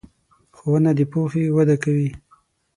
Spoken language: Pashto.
ښوونه د پوهې وده کوي.